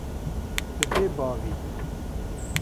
Tu bêbav î.